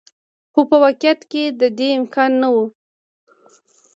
خو په واقعیت کې د دې امکان نه و.